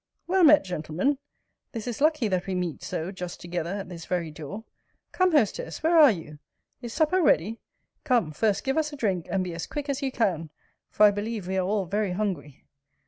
Well met, gentlemen; this is lucky that we meet so just together at this very door, Come, hostess, where are you? is supper ready? Come, first give us a drink; and be as quick as you can, for I believe we are all very hungry.